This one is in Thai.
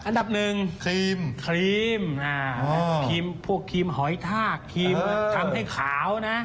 อันดับหนึ่งครีมครีมครีมพวกครีมหอยทากครีมทำให้ขาวนะ